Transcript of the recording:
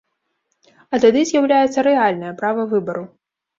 А тады з'яўляецца рэальнае права выбару.